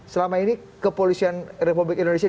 selama ini kepolisian republik indonesia